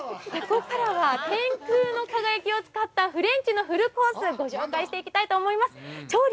ここからは天空の輝きを使ったフレンチのフルコース、ご紹介していきたいと思います。